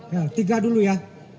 ya tiga dulu ya